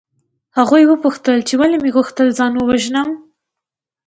هغوی پوښتل چې ولې مې غوښتل ځان ووژنم